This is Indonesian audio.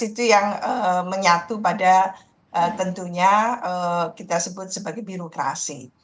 itu yang menyatu pada tentunya kita sebut sebagai birokrasi